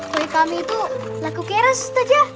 kue kami itu laku keras ustazah